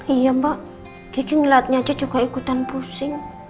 iya mbak jadi ngeliatnya aja juga ikutan pusing